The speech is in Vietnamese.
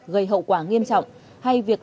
gây hậu quả nghiêm trọng hay việc